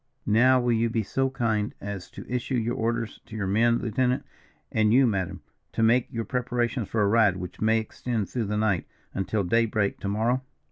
"Now will you be so kind as to issue your orders to your men, lieutenant, and you, madam, to make your preparations for a ride which may extend through the night until day break to morrow?"